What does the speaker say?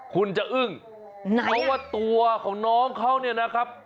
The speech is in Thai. คุณจะอึ้งเพราะว่าตัวของน้องเขาเนี่ยนะครับ